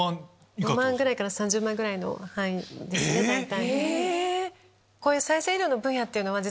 ５万ぐらいから３０万ぐらいの範囲です大体。